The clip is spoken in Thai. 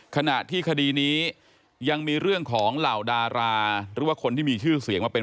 ขณะที่คดีนี้ยังมีเรื่องของเหล่าดาราหรือว่าคนที่มีชื่อเสียงมาเป็น